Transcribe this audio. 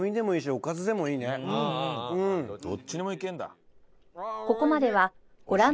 どっちでもいけるんだ。